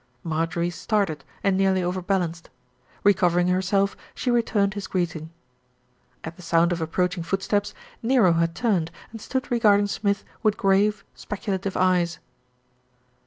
Marjorie started and nearly over balanced. Recov ering herself, she returned his greeting. At the sound of approaching footsteps, Nero had turned and stood regarding Smith with grave, specu lative eyes.